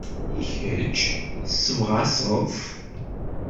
I kecc, tessebɣaseḍ-t?